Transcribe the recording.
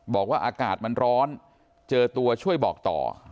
บอกว่าอากาศมันร้อนเจอตัวช่วยบอกต่อ